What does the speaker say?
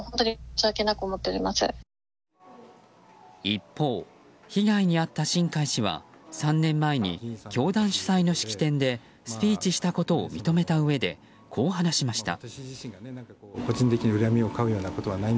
一方、被害に遭った新開氏は３年前に教団主催の式典でスピーチしたことを認めたうえでこう話しました。